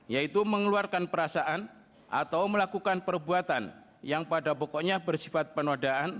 yaitu mengeluarkan perasaan atau melakukan perbuatan yang pada pokoknya bersifat penodaan